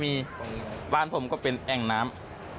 มีบ้านผมก็เป็นแอ่งน้ำ